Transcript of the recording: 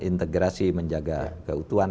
integrasi menjaga keutuhan